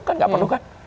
kan gak perlu kan